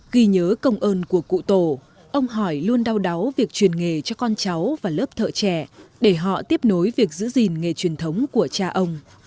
ghi nhớ công ơn của cụ tổ ông hỏi luôn đau đáu việc truyền nghề cho con cháu và lớp thợ trẻ để họ tiếp nối việc giữ gìn nghề truyền thống của cha ông